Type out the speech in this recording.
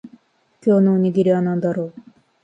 今日のおにぎりは何だろう